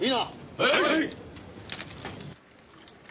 はい！